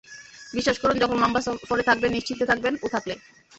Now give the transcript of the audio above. বিশ্বাস করুন, যখন লম্বা সফরে থাকবেন, নিশ্চিন্তে থাকবেন ও থাকলে!